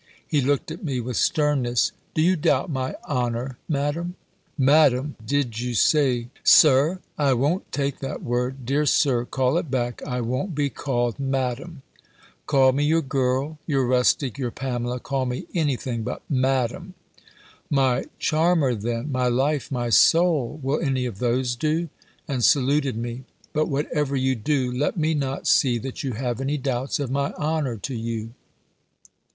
He looked at me with sternness, "Do you doubt my honour, Madam?" "Madam! I did you say. Sir? I won't take that word! Dear Sir, call it back I won't be called Madam! Call me your girl, your rustic, your Pamela call me any thing but Madam!" "My charmer, then, my life, my soul: will any of those do?" and saluted me: "but whatever you do, let me not see that you have any doubts of my honour to you."